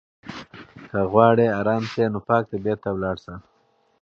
که غواړې ارام شې نو پاک طبیعت ته لاړ شه.